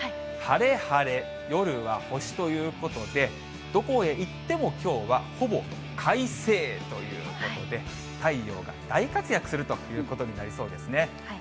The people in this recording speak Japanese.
晴れ、晴れ、夜は星ということで、どこへ行ってもきょうはほぼ快晴ということで、太陽が大活躍するということになりそうですね。